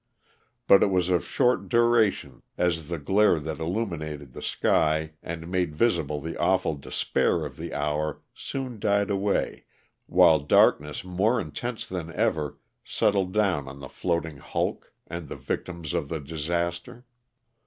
But it was of short duration as the glare that illuminated the sky and made visible the awful despair of the hour soon died away while darkness more intense than ever settled down on the floating hulk and the victims of the disaster.